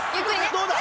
「どうだ？」